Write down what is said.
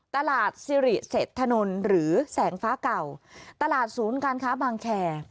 ตลาดสิริเศษถนนหรือแสงฟ้าเก่าตลาดศูนย์การค้าบางแคร์